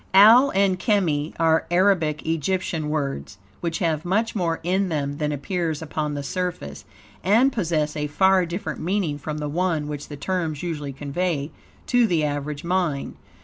"Al" and "Chemy" are Arabic Egyptian words which have much more in them than appears upon the surface, and possess a far different meaning from the one which the terms usually convey to the average mind.